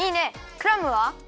クラムは？